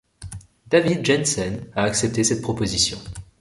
David Jensen a accepté cette proposition.